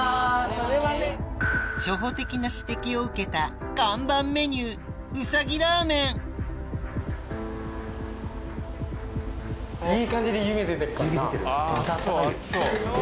初歩的な指摘を受けた看板メニューうさぎらーめん熱そう。